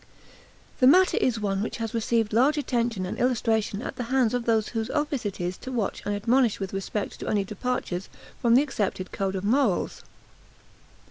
The matter is one which has received large attention and illustration at the hands of those whose office it is to watch and admonish with respect to any departures from the accepted code of morals.